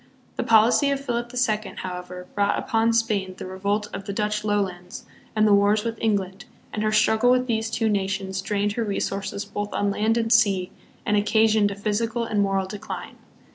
The policy of Philip the Second, however, brought upon Spain the revolt of the Dutch Lowlands and the wars with England, and her struggle with these two nations drained her resources both on land and sea, and occa sioned a physical and moral decline.